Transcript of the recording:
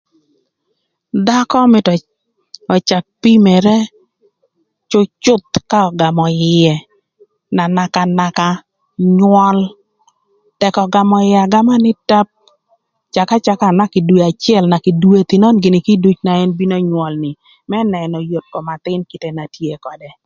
Dhakö mïtö öcak pimere cücüth ka ögamö ïë na naka naka nywöl. Tëk ögamö ïë agama nï tap, caka caka anaka ï dwe acël naka ï dwethi nön gïnï kïdüc na ën bino nywol ni më nënö yot kom athïn kite na tye ködë.